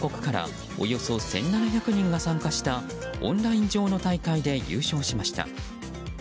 世界各国からおよそ１７００人が参加したオンライン上の大会で優勝しました。